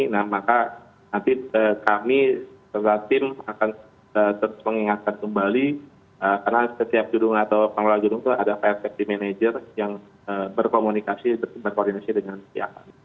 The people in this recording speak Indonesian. nah maka nanti kami serta tim akan terus mengingatkan kembali karena setiap gedung atau pengelola gedung itu ada pr safety manager yang berkomunikasi berkoordinasi dengan pihak kami